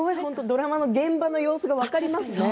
ドラマの現場の様子が分かりますね。